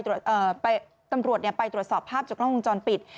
ตำรวจไปตรวจสอบภาพจากกล้องวงจรปิด